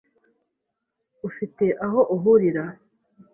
Ufite aho uhurira?